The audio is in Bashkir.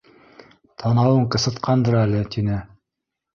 Танауың ҡысытҡандыр әле, — тине.